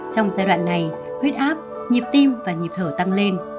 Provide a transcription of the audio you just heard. trong giai đoạn này huyết áp nhịp tim và nhịp thở tăng lên